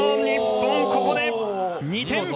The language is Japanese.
日本、ここで２点。